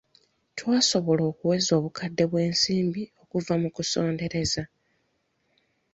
Twasobola okuweza obukadde bw'ensimbi okuva mu kusondereza.